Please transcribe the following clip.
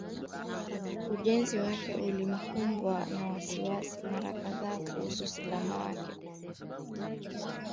Ujenzi wake ulikumbwa na wasiwasi mara kadha kuhusu usalama wake Maafisa wanasema watu zaidi